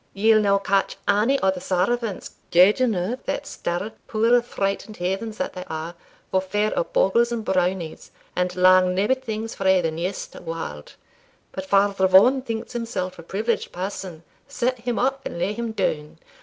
Ye'll no catch ane o' the servants gauging up that stair, puir frightened heathens that they are, for fear of bogles and brownies, and lang nebbit things frae the neist warld. But Father Vaughan thinks himself a privileged person set him up and lay him down!